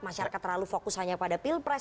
masyarakat terlalu fokus hanya pada pilpres